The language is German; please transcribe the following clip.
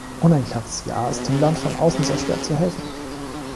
Ohne ein klares Ja ist dem Land von außen sehr schwer zu helfen.